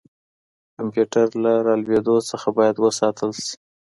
کمپيوټر له رالوېدلو څخه بايد وساتل سي.